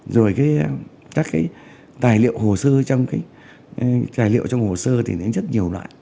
rồi các tài liệu hồ sơ trong hồ sơ thì rất nhiều loại